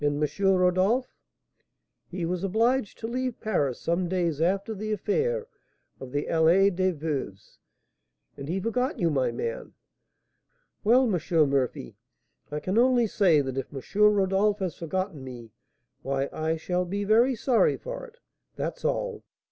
Rodolph?' 'He was obliged to leave Paris some days after the affair of the Allée des Veuves, and he forgot you, my man.' 'Well, M. Murphy, I can only say that if M. Rodolph has forgotten me, why I shall be very sorry for it, that's all.'